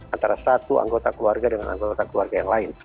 antara satu anggota keluarga dengan anggota keluarga yang lain